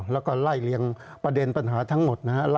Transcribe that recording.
แล้วก็ไล่เลียงประเด็นปัญหาทั้งหมดนะครับ